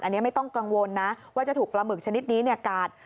อันนี้ไม่ต้องกังวลนะว่าจะถูกปลาหมึกชนิดนี้กาด